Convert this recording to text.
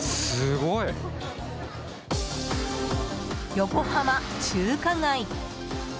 横浜中華街。